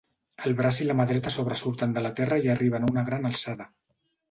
El braç i la mà dreta sobresurten de la terra i arriben a una gran alçada.